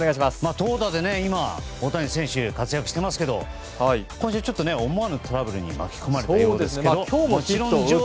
投打で大谷選手活躍していますが今週ちょっと思わぬトラブルに巻き込まれたようですが。